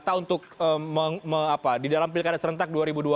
kita untuk di dalam pilkada serentak dua ribu dua puluh